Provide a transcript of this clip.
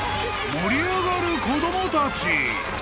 ［盛り上がる子供たち］